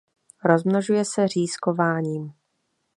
Rozmnožuje se řízkováním.